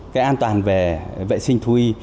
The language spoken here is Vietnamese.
cái an toàn về vệ sinh thu y